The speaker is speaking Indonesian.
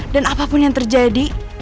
dan apapun yang terjadi